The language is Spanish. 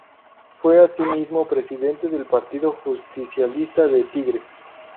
Fue asimismo presidente del Partido Justicialista de Tigre.